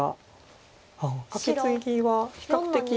カケツギは比較的